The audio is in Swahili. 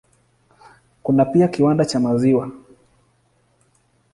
Kuna pia kiwanda cha maziwa.